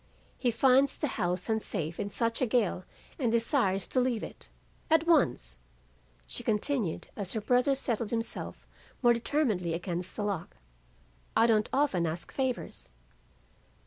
He finds the house unsafe in such a gale and desires to leave it. At once!' she continued as her brother settled himself more determinedly against the lock: 'I don't often ask favors.